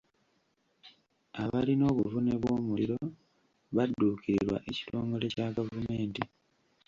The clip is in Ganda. Abalina obuvune bw’omuliro badduukirirwa ekitongole kya gavumenti.